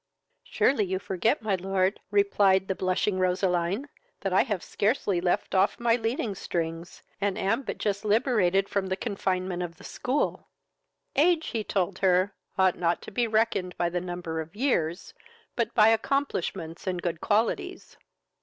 "Surely you forget, my lord, (replied the blushing Roseline,) that I have scarcely left off my leading strings, and am but just liberated from the confinement of the school." Age, he told her, ought not to be reckoned by the number of years, but by accomplishments and good qualities.